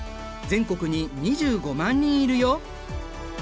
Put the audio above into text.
全国に２５万人いるよ。